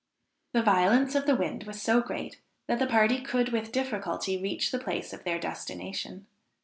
The violence of the wind was so great, that the party could with difficulty reach the place of their destination.